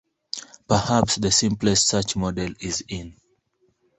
Perhaps the simplest such model is in.